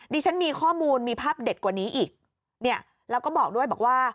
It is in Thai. นี่ฉันมีข้อมูลมีภาพเด็ดกว่านี้อีกเราก็บอกด้วยว่า